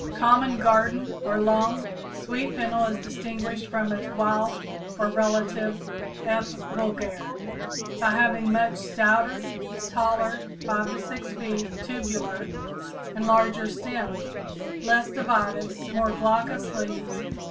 _ Common garden or long, sweet fennel is distinguished from its wild or better relative (F. vulgare) by having much stouter, taller (5 to 6 feet) tubular and larger stems, less divided, more glaucous leaves.